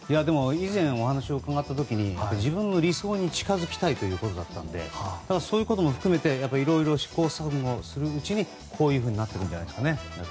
以前、お話を伺ったときに自分の理想に近づきたいということだったのでそういうことも含めていろいろ試行錯誤するうちにこういうふうになっているんですね。